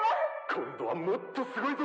今度はもっとすごいぞ！